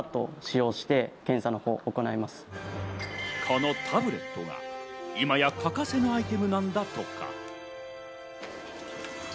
このタブレットが今や欠かせぬアイテムなんだとか。